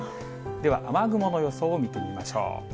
では、雨雲の予想を見てみましょう。